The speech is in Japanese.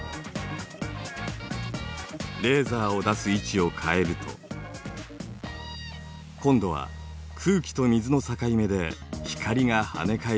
レーザーを出す位置を変えると今度は空気と水の境目で光が跳ね返りました。